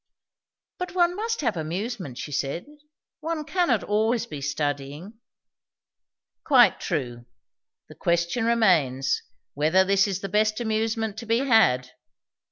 "But one must have amusement," she said. "One cannot be always studying." "Quite true. The question remains, whether this is the best amusement to be had."